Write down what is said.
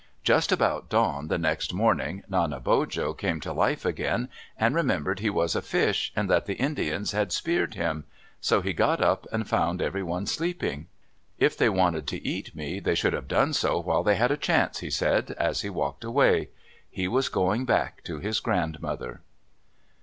Just about dawn the next morning, Nanebojo came to life again and remembered he was a fish and that the Indians had speared him. So he got up and found everyone sleeping. "If they wanted to eat me, they should have done so while they had a chance," he said as he walked away. He was going back to his grandmother.